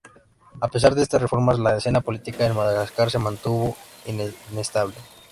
A pesar de estas reformas, la escena política en Madagascar se mantuvo inestable.